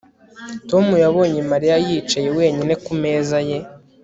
Tom yabonye Mariya yicaye wenyine ku meza ye